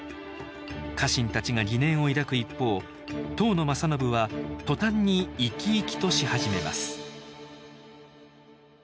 家臣たちが疑念を抱く一方当の正信は途端に生き生きとし始めます